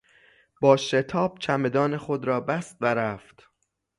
با شتاب چمدان خود را بست و رفت.